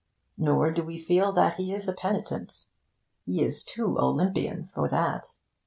Nor do we feel that he is a penitent. He is too Olympian for that.